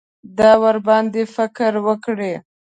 دا ورباندې فکر وکړي.